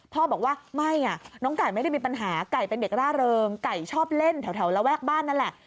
พ่อบอกว่าไม่น้องไก่ไม่ได้มีปัญหาไก่เป็นเด็กร่าเริงไก่ชอบเล่นแถวระแวกบ้านนั่นแหละ